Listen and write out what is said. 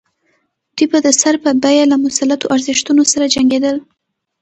دوی به د سر په بیه له مسلطو ارزښتونو سره جنګېدل.